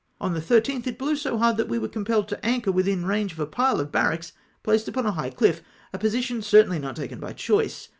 On the 13tli it blev/ so hard, that we were compelled to anchor withui range of a pile of barracks placed upon a high chff — a position certainly not taken by choice.